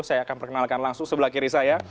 saya akan perkenalkan langsung sebelah kiri saya